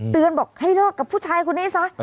เตือนบอกให้เลิกกับผู้ชายคุณนี่สัก